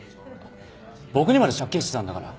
僕にまで借金してたんだから。